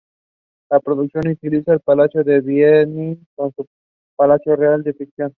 La producción utiliza el Palacio de Blenheim como su palacio real de ficción.